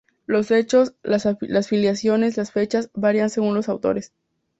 Los hechos, las filiaciones, las fechas, varían según los autores.